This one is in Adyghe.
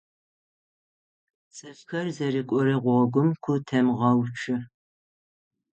ЦӀыфхэр зэрыкӀорэ гъогум ку темгъэуцу.